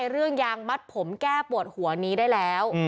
เรื่องยางมัดผมแก้ปวดหัวนี้ได้แล้ว